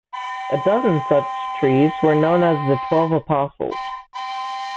A dozen such trees were known as the Twelve Apostles.